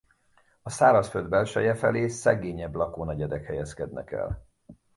A szárazföld belseje felé szegényebb lakónegyedek helyezkednek el.